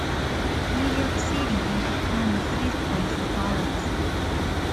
New York City had become a safe place for pirates.